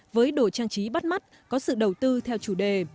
với đồ trang trí bắt mắt có sự đầu tư theo chủ đề